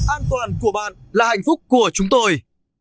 an toàn của bạn là hạnh phúc của chúng tôi